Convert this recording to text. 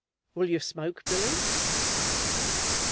"Will you smoke, Billy?" said he.